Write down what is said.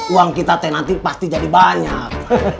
uang kita tenati pasti jadi banyak